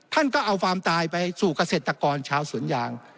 ท่านก็เอาความตายไปสู่เกษตรกรชาวสวนยาง